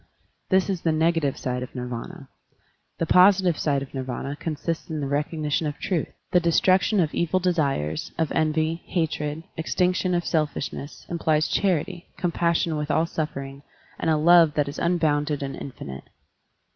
This is the negative side of Nirv&na. The positive side of Nirvana consists in the recognition of truth. The destruction of evil desires, of envy, hatred, extinction of selfish ness implies charity, compassion with all suffer ing, and a love that is unbounded and infinite.